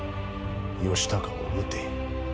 義高を討て。